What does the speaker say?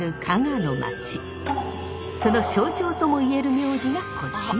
その象徴ともいえる名字がこちら！